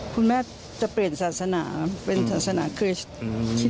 คุณแม่จะเปลี่ยนศาสนาเป็นศาสนาคริสต์